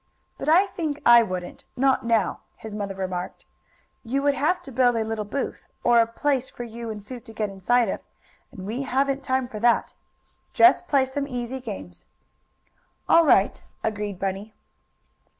"But I think I wouldn't not now," his mother remarked. "You would have to build a little booth, or place for you and Sue to get inside of, and we haven't time for that. Just play some easy games." "All right," agreed Bunny.